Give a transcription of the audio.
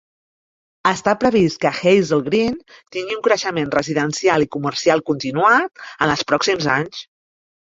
Està previst que Hazel Green tingui un creixement residencial i comercial continuat en els pròxims anys.